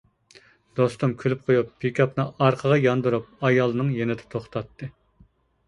دوستۇم كۈلۈپ قويۇپ، پىكاپىنى ئارقىغا ياندۇرۇپ ئايالنىڭ يېنىدا توختاتتى.